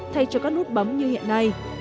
thay cho các nút bấm như hiện nay